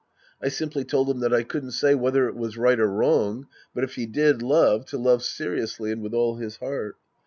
I simply told him that I couldn't say whether it was right or wrong, but if he did love, to love seriously and with all his heart.